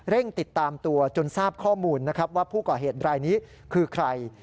ติดตามตัวจนทราบข้อมูลนะครับว่าผู้ก่อเหตุรายนี้คือใคร